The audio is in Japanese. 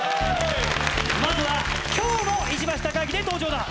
まずは今日の石橋貴明で登場だ！